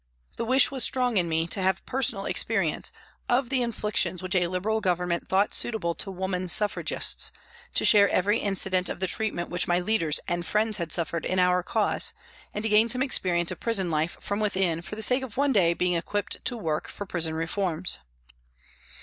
The wish was strong in me to have personal experience of the inflictions which a Liberal Government thought suitable to woman Suffragists, to share every incident of the treatment which my leaders and friends had suffered in our cause and to gain some experience of prison life from within for the sake of one day being equipped to work for prison reforms.